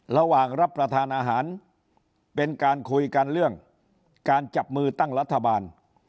รับประทานอาหารเป็นการคุยกันเรื่องการจับมือตั้งรัฐบาล